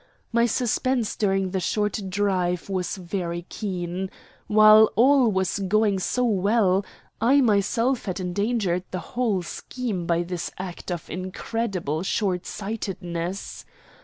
My suspense during the short drive was very keen. While all was going so well, I myself had endangered the whole scheme by this act of incredible shortsightedness.